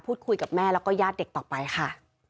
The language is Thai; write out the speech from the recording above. คุยกับแม่แล้วก็ญาติเด็กต่อไปค่ะ